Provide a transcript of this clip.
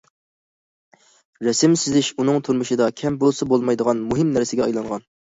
رەسىم سىزىش ئۇنىڭ تۇرمۇشىدا كەم بولسا بولمايدىغان مۇھىم نەرسىگە ئايلانغان.